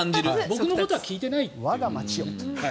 僕のことは聞いてないという。